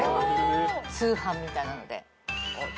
通販みたいなので。